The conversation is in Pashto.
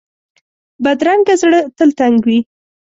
بدرنګه زړه تل تنګ وي